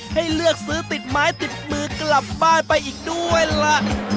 ให้เลือกซื้อติดไม้ติดมือกลับบ้านไปอีกด้วยล่ะ